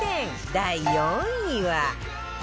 第４位は